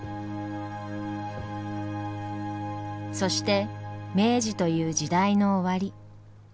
そして明治という時代の終わり。